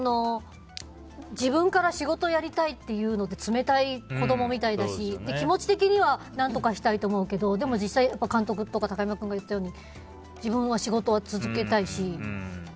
自分から仕事やりたいっていうのは冷たい子供みたいだし気持ち的には何とかしたいと思うけどでも実際、監督とか竹山君が言ったみたいに自分は仕事を続けたいし。